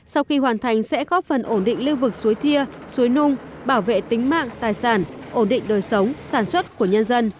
sau khi hoàn thành sẽ góp phần ổn định lưu vực suối thia suối nung bảo vệ tính mạng tài sản ổn định đời sống sản xuất của nhân dân